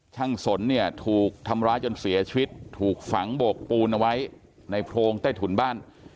สนเนี่ยถูกทำร้ายจนเสียชีวิตถูกฝังโบกปูนเอาไว้ในโพรงใต้ถุนบ้าน